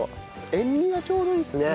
塩味がちょうどいいですね